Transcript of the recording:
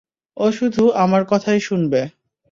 ও শুধু আমার কথাই শুনবে।